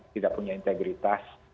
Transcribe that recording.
tidak punya integritas